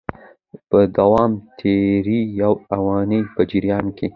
په دوام د تیري یوې اونۍ په جریان کي